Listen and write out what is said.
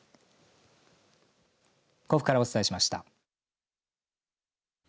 甲府からお伝えしました。